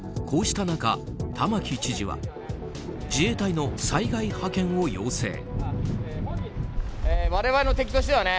こうした中、玉城知事は自衛隊の災害派遣を要請。